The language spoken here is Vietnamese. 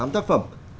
tám tác phẩm